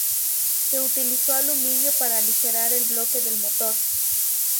Se utilizó aluminio para aligerar el bloque del motor.